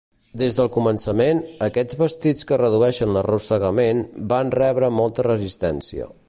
Des del començament, aquests vestits que redueixen l'arrossegament van rebre molta resistència.